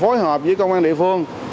phối hợp với công an địa phương